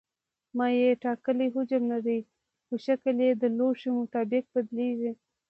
مایع ټاکلی حجم لري خو شکل یې د لوښي مطابق بدلېږي.